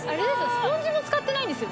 スポンジも使ってないんですよ。